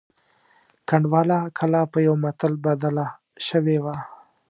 کنډواله کلا په یوه متل بدله شوې وه.